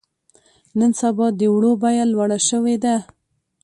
نن سبا د وړو بيه لوړه شوې ده.